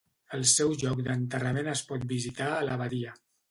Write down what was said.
El seu lloc d'enterrament es pot visitar a l'Abadia.